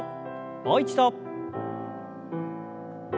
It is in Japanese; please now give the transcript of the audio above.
もう一度。